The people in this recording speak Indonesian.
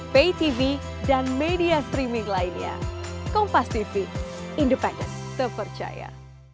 pay tv dan media streaming lainnya kompas tv independen terpercaya